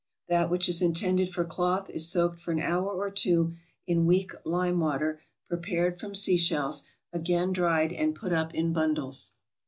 That which is intended for cloth is soaked for an hour or two in weak lime water prepared from sea shells, again dried, and put up in bundles.